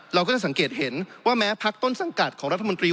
เราก็จะสังเกตเห็นว่าแม้พักต้นสังกัดของรัฐมนตรี